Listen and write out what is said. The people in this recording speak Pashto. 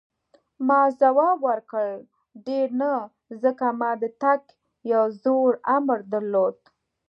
ما ځواب ورکړ: ډېر نه، ځکه ما د تګ یو زوړ امر درلود.